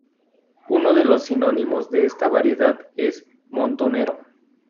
Uno de los sinónimos de esta variedad es "montonero".